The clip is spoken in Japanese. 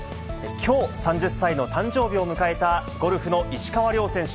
きょう、３０歳の誕生日を迎えたゴルフの石川遼選手。